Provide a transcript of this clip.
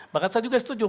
bahkan saya juga setuju